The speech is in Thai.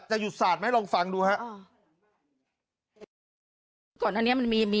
หยุดสาดไหมลองฟังดูครับ